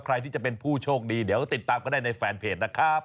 ใครที่จะเป็นผู้โชคดีเดี๋ยวติดตามก็ได้ในแฟนเพจนะครับ